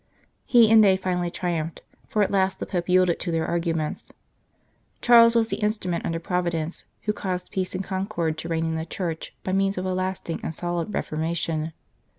He and they finally triumphed, for at last the Pope yielded to their arguments. Charles was the instrument under Providence who caused peace and concord to reign in the Church by means of a lasting and solid reformation.